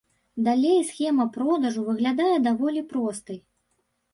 Далей схема продажу выглядае даволі простай.